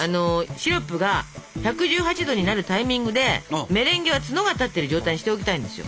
シロップが１１８℃になるタイミングでメレンゲは角が立ってる状態にしておきたいんですよ。